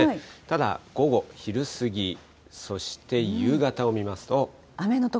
ただ、午後、昼過ぎ、そして夕方を見ますと。